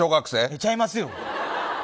ちゃいますよ！